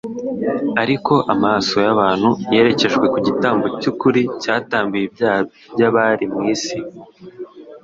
ariko amaso y'abantu yerekejwe ku gitambo cy'ukuri cyatambiwe ibyaha by'abari mu isi.